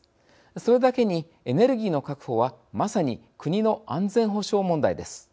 それだけに、エネルギーの確保はまさに国の安全保障問題です。